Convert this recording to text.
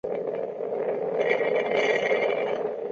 宽叶匐枝蓼为蓼科蓼属下的一个变种。